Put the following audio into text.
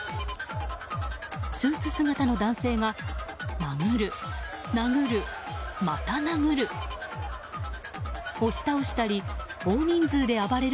スーツ姿の男性が殴る、殴る、また殴る。